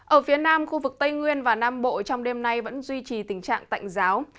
ở phía nam khu vực tây nguyên và nam bộ trong đêm nay vẫn duy trì tình trạng tạnh giáo